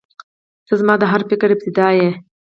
• ته زما د هر فکر ابتدا یې.